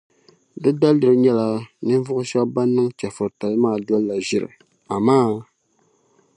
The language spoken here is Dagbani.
Di daliri nyɛla ninvuɣu shεba ban niŋ chεfuritali maa dolila ʒiri, amaa!